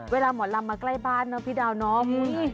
เวลาหมอลำมาใกล้บ้านเนอะพี่ดาวเนาะ